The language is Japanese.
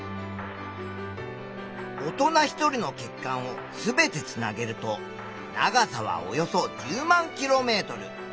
大人１人の血管を全てつなげると長さはおよそ１０万ｋｍ。